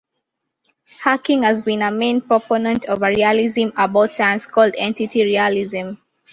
Hacking has been a main proponent of a realism about science called entity realism.